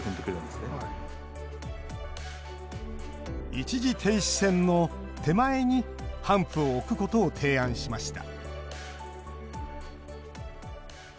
一時停止線の手前に、ハンプを置くことを提案しました